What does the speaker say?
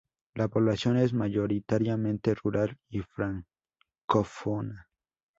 La población es mayoritariamente rural y francófona.